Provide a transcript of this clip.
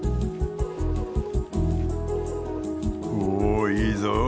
おいいぞ